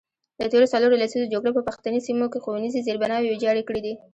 د تیرو څلورو لسیزو جګړو په پښتني سیمو کې ښوونیز زیربناوې ویجاړې کړي دي.